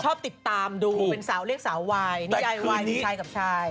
ชอบติดตามดูเป็นสาวเรียกสาววายนิยายวายมีชายกับชาย